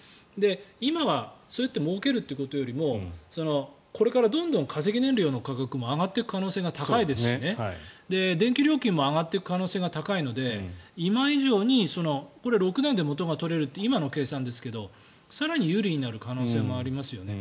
今はそうやってもうけることよりもこれからどんどん化石燃料の価格も上がっていく可能性が高いですし電気料金も上がっていく可能性が高いので今以上にこれは６年で元が取れると今の計算ですけど更に有利になる可能性もありますよね。